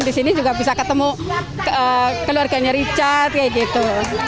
di sini juga bisa ketemu keluarganya richard kayak gitu